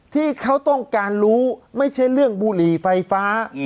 ที่เขาต้องการรู้ไม่ใช่เรื่องบุหรี่ไฟฟ้า